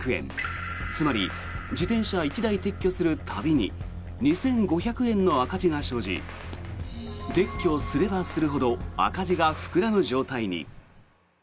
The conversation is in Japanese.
つまり自転車１台撤去する度に２５００円の赤字が生じ撤去すればするほど赤字が膨らむ状態に。